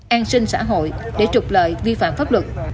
an sinh xã hội để trục lợi vi phạm pháp luật